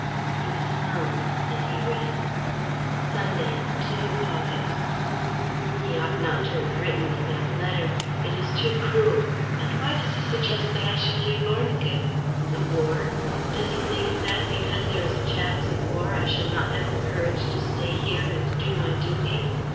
He was alone and he read: "Sunday, 2 August. "He ought not to have written me that letter. It is too cruel. And why does he suggest that I should leave Ornequin? The war? Does he think that, because there is a chance of war, I shall not have the courage to stay here and do my duty?